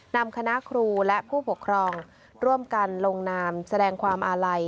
นำคณะครูและผู้ปกครองร่วมกันลงนามแสดงความอาลัย